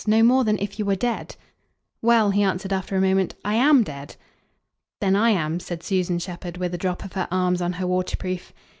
No more than if you were dead." "Well," he answered after a moment, "I AM dead." "Then I am," said Susan Shepherd with a drop of her arms on her waterproof.